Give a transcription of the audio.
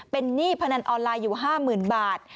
เป็นหนี้พนันออนไลน์อยู่๕๐๐๐บาท